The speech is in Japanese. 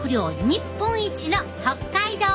日本一の北海道！